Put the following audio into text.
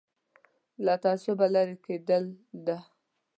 له تعصبه لرې کېدل ده.